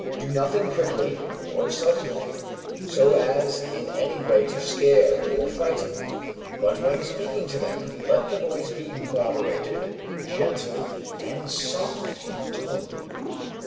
Do nothing quickly or suddenly, so as in any way to scare or frighten, but when speaking to them, let the voice be moderated, gentle, and soft in tone.